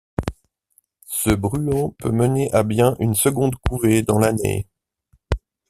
Ce bruant peut mener à bien une seconde couvée dans l'année.